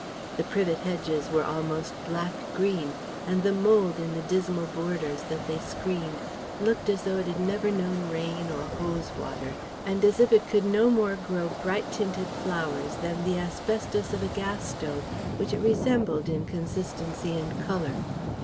The privet hedges were almost black green; and the mould in the dismal borders that they screened looked as though it had never known rain or hose water and as if it could no more grow bright tinted flowers than the asbestos of a gas stove which it resembled in consistency and colour.